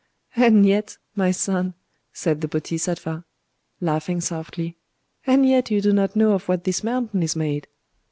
"And yet, my son," said the Bodhisattva, laughing softly,—"and yet you do not know of what this mountain is made."